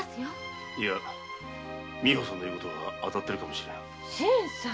いや美保さんの言うことが当たっているかもしれん。